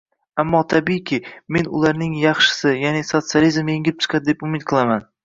Ammo, tabiiyki, men ularning yaxshisi, ya’ni sotsializm yengib chiqadi deb umid qilaman